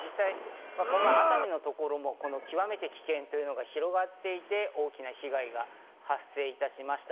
この前の熱海のところも極めて危険というところが広がっていて大きな被害が発生いたしました。